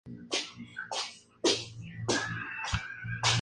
Su capital es la ciudad de Isernia.